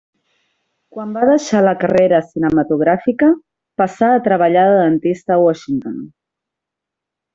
Quan va deixar la carrera cinematogràfica passà a treballar de dentista a Washington.